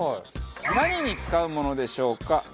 何に使うものでしょうか？